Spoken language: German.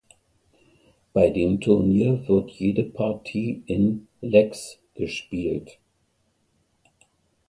Bei dem Turnier wird jede Partie in "Legs" gespielt.